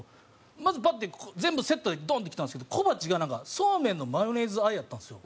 まずバッて全部セットでドーンってきたんですけど小鉢がなんかそうめんのマヨネーズあえやったんですよ。